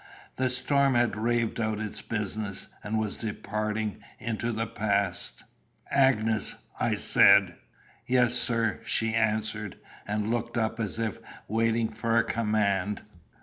The storm had raved out its business, and was departing into the past. "Agnes," I said. "Yes, sir," she answered, and looked up as if waiting for a command.